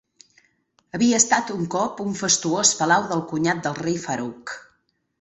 Havia estat un cop un fastuós palau del cunyat del rei Farouk.